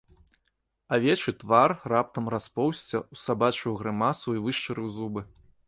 Авечы твар раптам распоўзся ў сабачую грымасу і вышчарыў зубы.